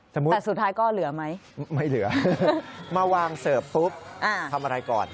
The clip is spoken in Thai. แต่สุดท้ายก็เหลือไหมไม่เหลือมาวางเสิร์ฟปุ๊บทำอะไรก่อน